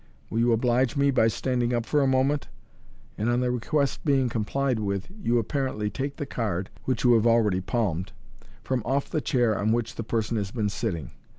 Will you oblige me by standing up for a moment," and, on the request being complied with, you apparently take the card (which you have already palmed) from oft* the chair on which the person has been sitting.